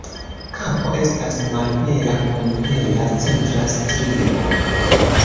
Kapo estas malhela kun hela centra strio.